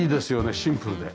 シンプルで。